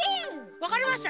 わかりました。